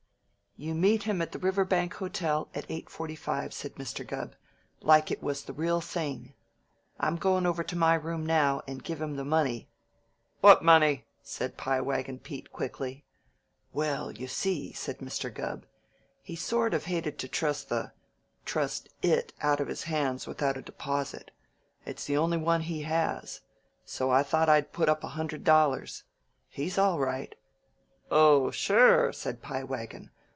"You meet him at the Riverbank Hotel at eight forty five," said Mr. Gubb. "Like it was the real thing. I'm goin' over to my room now, and give him the money " "What money?" asked Pie Wagon Pete quickly. "Well, you see," said Mr. Gubb, "he sort of hated to trust the trust it out of his hands without a deposit. It's the only one he has. So I thought I'd put up a hundred dollars. He's all right " "Oh, sure!" said Pie Wagon.